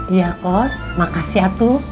iya kos makasih atu